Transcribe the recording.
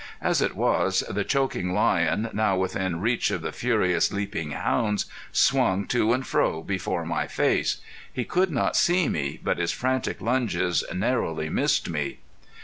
As it was, the choking lion, now within reach of the furious, leaping hounds, swung to and fro before my face. He could not see me, but his frantic lunges narrowly missed me.